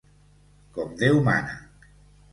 Com Déu mana.